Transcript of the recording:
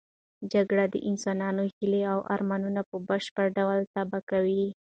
جګړه د انسانانو هیلې او ارمانونه په بشپړ ډول تباه کوي.